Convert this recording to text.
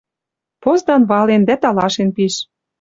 Поздан вален дӓ талашен пиш.